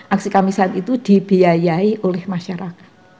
aksi kamisan itu dibiayai oleh masyarakat